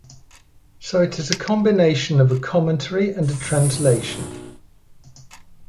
So it is a combination of a commentary and a translation.